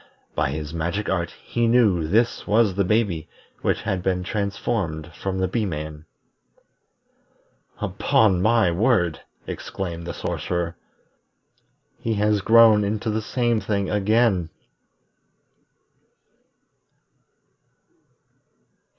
By his magic art he knew this was the baby which had been transformed from the Bee man. "Upon my word!" exclaimed the Sorcerer, "He has grown into the same thing again!"